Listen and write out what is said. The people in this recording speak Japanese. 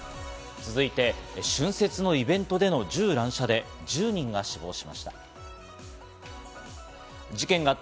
続いて、春節のイベントでの銃乱射で１０人が死亡しました。